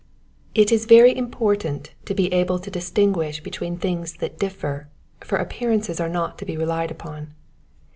« |T IS very important to be able to distin guish between things that differ, for appearances are not to be relied upon.